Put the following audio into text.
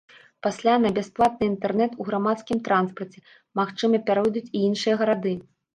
Пасля на бясплатны інтэрнэт у грамадскім транспарце, магчыма, пяройдуць і іншыя гарады.